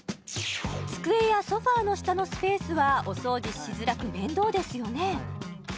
机やソファーの下のスペースはお掃除しづらく面倒ですよね